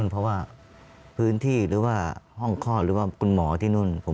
เพราะว่าพื้นที่หรือว่าห้องคลอดหรือว่าคุณหมอที่นู่น